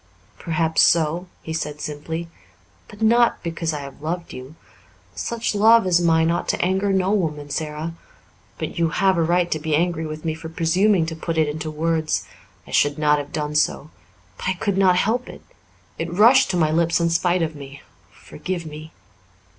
"Perhaps so," he said simply, "but not because I have loved you. Such love as mine ought to anger no woman, Sara. But you have a right to be angry with me for presuming to put it into words. I should not have done so but I could not help it. It rushed to my lips in spite of me. Forgive me."